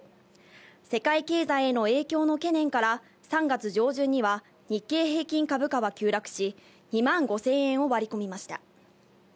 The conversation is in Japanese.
世界経済への影響の懸念から３月上旬には日経平均株価は急落し、２万５０００円を割り込みました。